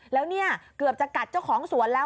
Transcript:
แล้วเนี่ยเกือบจะกัดเจ้าของสวนแล้ว